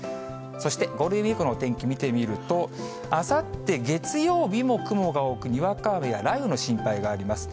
そしてゴールデンウィークのお天気見てみると、あさって月曜日も雲が多く、にわか雨や雷雨の心配があります。